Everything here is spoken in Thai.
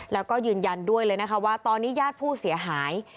แล้วก็ยืนยันด้วยเลยนะคะว่าตอนนี้ญาติผู้เสียหาย